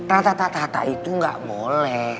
ratatata itu nggak boleh